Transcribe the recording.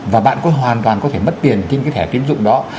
và bạn có hoàn toàn có thể mất tiền trên cái thẻ tiến dụng đó